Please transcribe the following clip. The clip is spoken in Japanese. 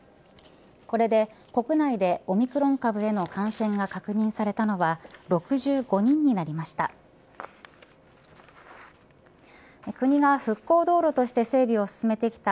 これで、国内でオミクロン株への感染が確認されたのは６５人になりました。